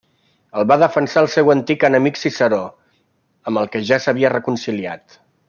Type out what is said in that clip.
El va defensar el seu antic enemic Ciceró, amb el que ja s'havia reconciliat.